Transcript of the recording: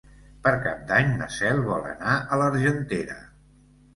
Per Cap d'Any na Cel vol anar a l'Argentera.